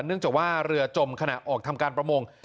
เนื่องจากว่าเรือจมขณะออกทำการประมง